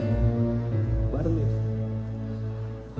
hamba tunduk dan berhubung